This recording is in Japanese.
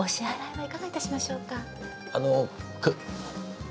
はい。